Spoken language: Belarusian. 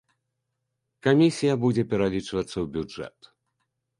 Камісія будзе пералічвацца ў бюджэт.